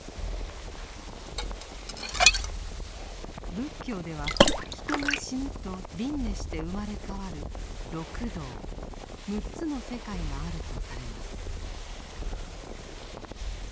仏教では人が死ぬと輪廻して生まれ変わる「六道」六つの世界があるとされます。